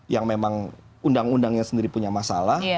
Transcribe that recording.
yang memang undang undangnya sendiri punya masalah